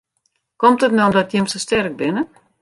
Komt it no omdat jim sa sterk binne?